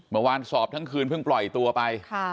เมื่อวานสอบทั้งคืนเพิ่งปล่อยตัวไป